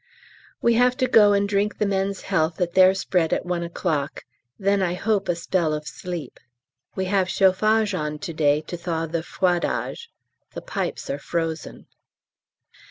We have to go and drink the men's health at their spread at 1 o'clock. Then I hope a spell of sleep. We have chauffage on to day to thaw the froidage; the pipes are frozen.